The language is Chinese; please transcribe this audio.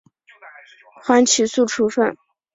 缓起诉处分。